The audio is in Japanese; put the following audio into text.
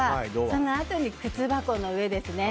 そのあとに靴箱の上ですね